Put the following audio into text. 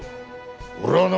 俺はな